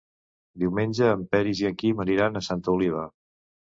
Diumenge en Peris i en Quim aniran a Santa Oliva.